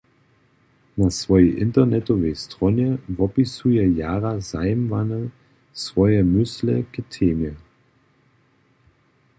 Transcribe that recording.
Na swojej internetowej stronje wopisuje jara zajimawje swoje mysle k temje.